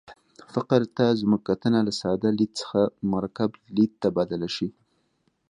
فقر ته زموږ کتنه له ساده لید څخه مرکب لید ته بدله شي.